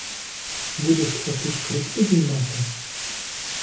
Будеш отут крик підіймати?